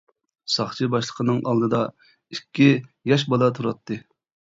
ساقچى باشلىقىنىڭ ئالدىدا ئىككى ياش بالا تۇراتتى.